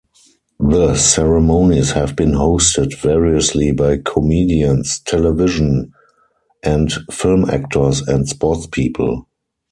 The ceremonies have been hosted variously by comedians, television and film actors, and sportspeople.